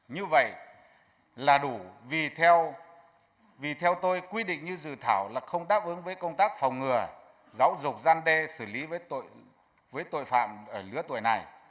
như vậy là đủ vì theo tôi quy định như dự thảo là không đáp ứng với công tác phòng ngừa giáo dục gian đe xử lý với tội phạm ở lứa tuổi này